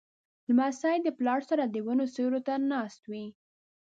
لمسی د پلار سره د ونو سیوري ته ناست وي.